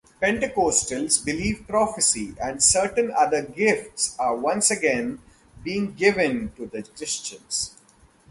Pentecostals believe prophecy and certain other gifts are once again being given to Christians.